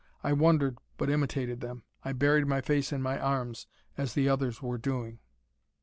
I wondered, but imitated them. I buried my face in my arms, as the others were doing.